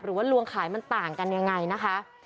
หรือว่าลวงขายมันต่างกันยังไงนะคะ